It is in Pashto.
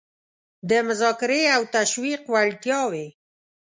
د مذاکرې او تشویق وړتیاوې